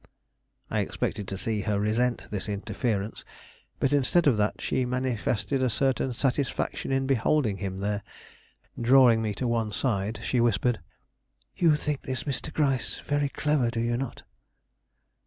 I expected to see her resent this interference; but instead of that, she manifested a certain satisfaction in beholding him there. Drawing me to one side, she whispered, "You think this Mr. Gryce very clever, do you not?"